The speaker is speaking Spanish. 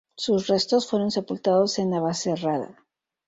Sus restos fueron sepultados en Navacerrada.